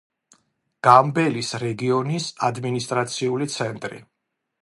გამბელის რეგიონის ადმინისტრაციული ცენტრი.